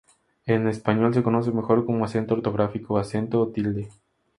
En español se conoce mejor como acento ortográfico, acento o tilde.